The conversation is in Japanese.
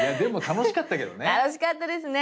楽しかったですね。